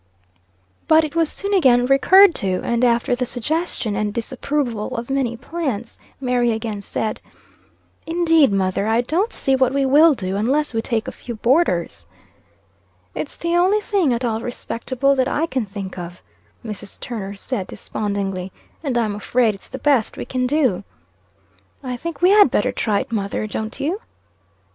But it was soon again recurred to, and after the suggestion and disapproval of many plans, Mary again said "Indeed, mother, I don't see what we will do, unless we take a few boarders." "It's the only thing at all respectable, that I can think of," Mrs. Turner said despondingly; "and I'm afraid it's the best we can do." "I think we had better try it, mother, don't you?"